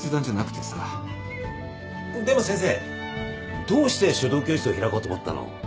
でも先生どうして書道教室を開こうと思ったの？